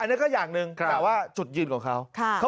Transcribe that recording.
อันนี้ก็อย่างหนึ่งแต่ว่าจุดยืนของเขา